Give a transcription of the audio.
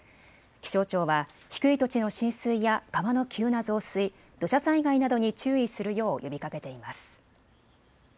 気象庁は低い土地の浸水や川の急な増水、土砂災害などに注意するよう呼びかけています。